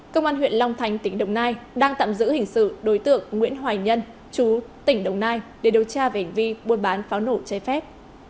công an huyện long thành tỉnh đồng nai đang tạm giữ hình sự đối tượng nguyễn hoài nhân chú tỉnh đồng nai để điều tra về hành vi buôn bán pháo nổ chai phép